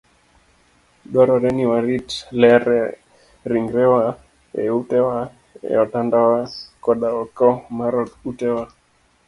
Dwarore ni warit ler e ringrewa, e utewa, e otandawa, koda oko mar utewa.